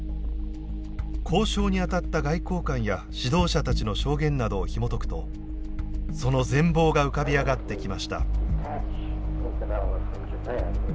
交渉に当たった外交官や指導者たちの証言などをひもとくとその全貌が浮かび上がってきました。